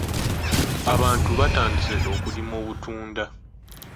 Abantu batandise okulima obutunda.